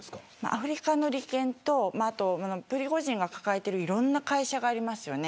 アフリカの利権とプリゴジンが抱えているいろんな会社がありますよね。